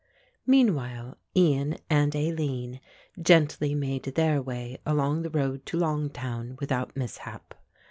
Meanwhile Ian and Aline gently made their way along the road to Longtown without mishap.